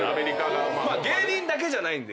まあ芸人だけじゃないんで。